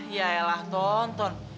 yaelah ton ton